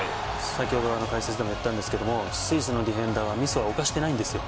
先ほど解説でも言ったんですけどスイスのディフェンダーがミスを犯していないんですよ。